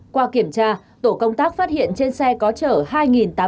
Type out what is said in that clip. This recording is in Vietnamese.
qua kiểm tra tổ công tác phát hiện trên xe có chở hai tám trăm linh